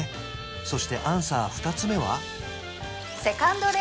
そしてアンサー２つ目は？